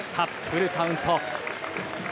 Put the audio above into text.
フルカウント。